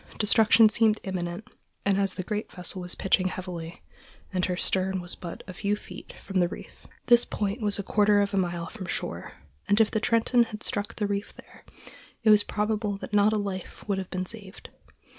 Destruction seemed imminent, as the great vessel was pitching heavily, and her stern was but a few feet from the reef. This point was a quarter of a mile from shore, and if the Trenton had struck the reef there, it is probable that not a life would have been saved.